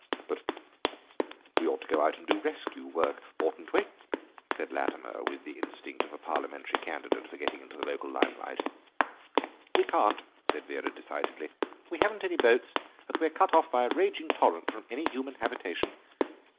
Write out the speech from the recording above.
"But we ought to go out and do rescue work, oughtn't we?" said Latimer, with the instinct of a Parliamentary candidate for getting into the local limelight. "We can't," said Vera decidedly, "we haven't any boats and we're cut off by a raging torrent from any human habitation.